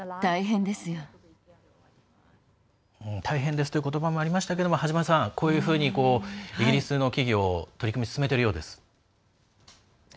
大変ですということばもありましたがこういうふうに、イギリスの企業取り組みを進めているようです。